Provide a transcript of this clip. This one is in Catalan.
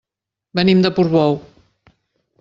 Venim de Portbou.